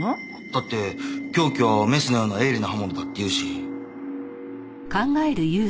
だって凶器はメスのような鋭利な刃物だっていうし。